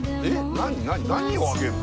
何何何をあげるの？